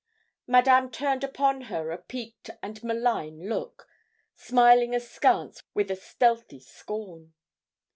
Madame turned upon her a peaked and malign look, smiling askance with a stealthy scorn.